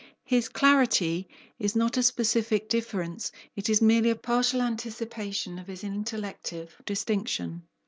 His "clarity" is not a specific difference; it is merely a partial anticipation of his intellective "distinction."